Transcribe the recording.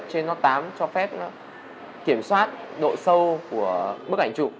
trên lớp tám cho phép kiểm soát độ sâu của bức ảnh chụp